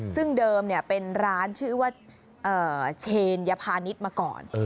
ซึ่งเดิมเป็นร้านชื่อว่าเชนยพาณิชย์มาก่อน